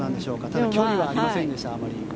ただ、距離はありませんでしたあまり。